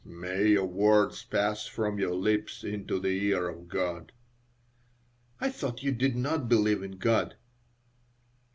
"May your words pass from your lips into the ear of God." "I thought you did not believe in God."